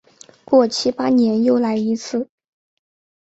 过七八年又来一次。